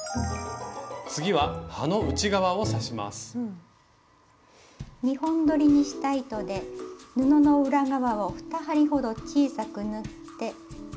次は葉の２本どりにした糸で布の裏側を２針ほど小さく縫って糸を引きます。